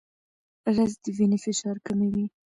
رس د وینې فشار کموي